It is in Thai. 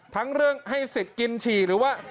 ทั้งเรื่องให้สิทธิ์กินฉี่หรือว่า